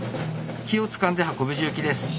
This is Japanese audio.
木をつかんで運ぶ重機です。